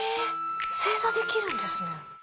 正座できるんですね